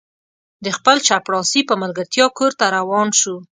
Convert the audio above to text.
د خپل چپړاسي په ملګرتیا کور ته روان شو.